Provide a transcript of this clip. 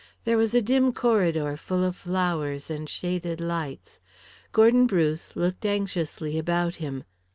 There was a dim corridor full of flowers and shaded lights. Gordon Bruce looked anxiously about him.